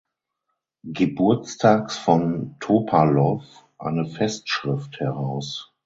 Geburtstags von Topalow eine Festschrift heraus.